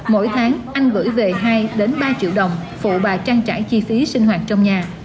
mỗi tháng anh gửi về hai ba triệu đồng phụ bà trăng trải chi phí sinh hoạt trong nhà